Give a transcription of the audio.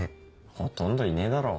ほとんどいねえだろ。